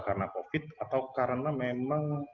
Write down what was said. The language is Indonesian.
karena covid atau karena memang